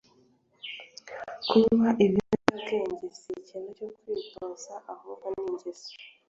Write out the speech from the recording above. kunywa ibiyobyabwenge si ikintu cyo kwitoza ahubwo ni ingeso